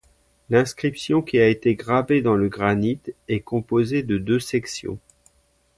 L'inscription, qui a été gravée dans le granite, est composée de deux sections.